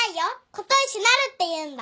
琴石なるっていうんだ。